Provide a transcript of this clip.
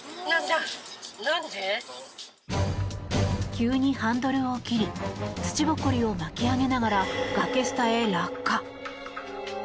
急にハンドルを切り土ぼこりを巻き上げながら崖下へ落下。